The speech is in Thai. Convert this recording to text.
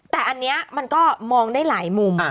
แต่อันนี้มันก็มองได้หลายมุม